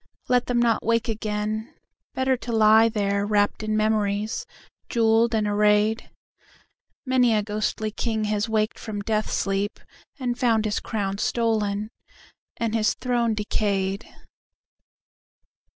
Let them not wake again, better to lie there, Wrapped in memories, jewelled and arrayed Many a ghostly king has waked from death sleep And found his crown stolen and his throne decayed.